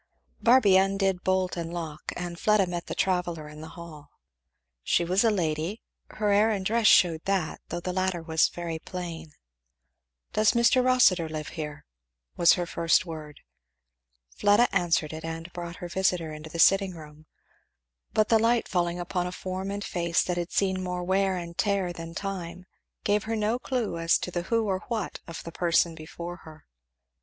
Barby undid bolt and lock and Fleda met the traveller in the hall. She was a lady; her air and dress shewed that, though the latter was very plain. "Does Mr. Rossitur live here?" was her first word. Fleda answered it, and brought her visitor into the sitting room. But the light falling upon a form and face that had seen more wear and tear than time, gave her no clue as to the who or what of the person before her.